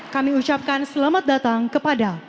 kami ucapkan selamat datang kepada